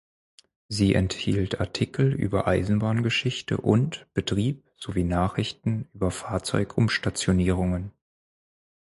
Sie enthielt Artikel über Eisenbahngeschichte und -betrieb sowie Nachrichten über Fahrzeug-Umstationerungen.